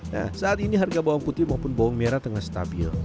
nah saat ini harga bawang putih maupun bawang merah tengah stabil